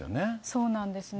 そうなんですね。